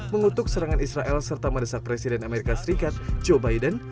mengutuk serangan israel serta mendesak presiden amerika serikat joe biden